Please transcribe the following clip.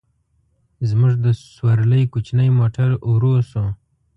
زموږ د سورلۍ کوچنی موټر ورو شو.